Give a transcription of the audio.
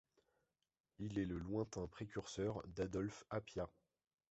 Il est le lointain précurseur d’Adolphe Appia.